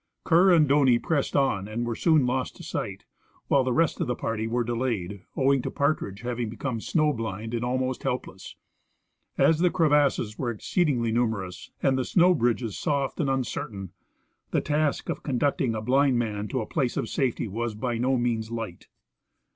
Kerr and Doney pressed on and were soon lost to sight, while the rest of the party were delayed, owing to Partridge hav ing become snow blind and almost helpless. As the crevasses were exceedingly numerous and the snow bridges soft and un certain, the task of conducting a blind man to a place of safety was by no means light.